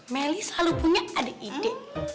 meli selalu punya ide